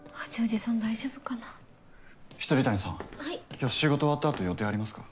今日仕事終わったあと予定ありますか？